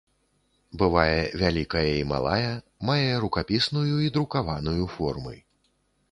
Бывае вялікая і малая, мае рукапісную і друкаваную формы.